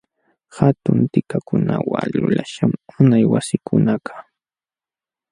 Hatun tikakunawan lulaśhqam unay wasikunakaq.